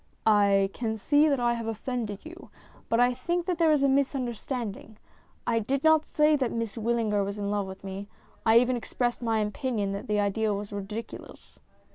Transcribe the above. " I can see that I have offended you, but I think that there is a misunderstanding. I did not say that Miss Wyllinger was in love with me ; I even expressed my opinion that the idea was ridiculous."